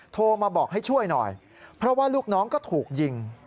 โทรมาบอกให้ช่วยหน่อยเพราะว่าลูกน้องก็ถูกยิง